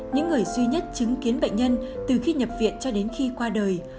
những người duy nhất chứng kiến bệnh nhân từ khi nhập viện cho đến khi qua đời